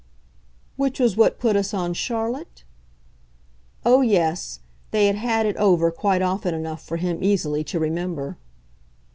"Which was what put us on Charlotte?" Oh yes, they had had it over quite often enough for him easily to remember.